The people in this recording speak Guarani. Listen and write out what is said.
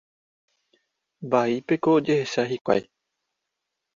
Vaípeko ojehecha hikuái.